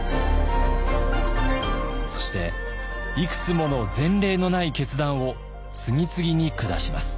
そしていくつもの前例のない決断を次々に下します。